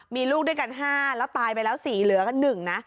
มีลูกด้วยกัน๕แล้วตายไปแล้ว๔เหลือกัน๑นะ